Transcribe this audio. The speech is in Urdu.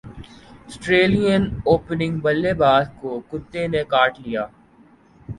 سٹریلین اوپننگ بلے باز کو کتے نے کاٹ لیا